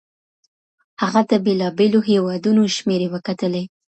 هغه د بېلابېلو هيوادونو شمېرې وکتلې.